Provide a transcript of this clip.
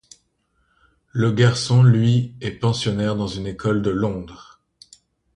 Le garçon, lui, est pensionnaire dans une école de Londres.